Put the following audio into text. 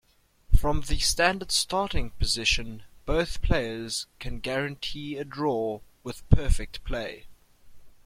From the standard starting position, both players can guarantee a draw with perfect play.